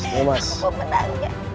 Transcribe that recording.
aku mau bertanya